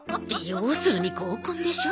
要するに合コンでしょ。